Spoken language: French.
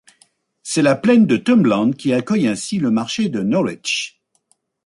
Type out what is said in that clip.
C'est la plaine de Tombland qui accueille ainsi le marché de Norwich.